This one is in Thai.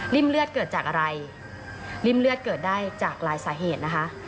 เลือดเกิดจากอะไรริ่มเลือดเกิดได้จากหลายสาเหตุนะคะ